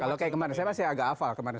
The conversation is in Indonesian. kalau kayak kemarin saya agak hafal kemarin